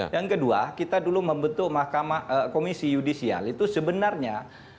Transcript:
yang kedua kita dulu membentuk mahkamah komisi yudisial itu sebenarnya